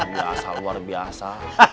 luar biasa luar biasa